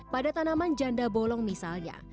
pada tanaman janda bolong misalnya